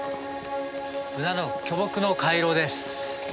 ブナの巨木の回廊です。